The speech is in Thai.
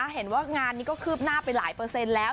เห็นว่างานนี้ก็คืบหน้าไปหลายเปอร์เซ็นต์แล้ว